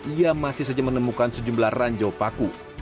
ia masih saja menemukan sejumlah ranjau paku